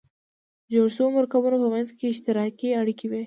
د جوړو شوو مرکبونو په منځ کې اشتراکي اړیکې وي.